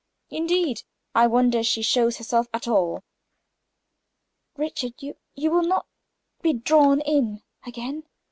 Indeed, I wonder she shows herself at all." "Richard, you you will not be drawn in again?"